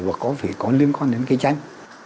và có phải có liên quan đến cây chanh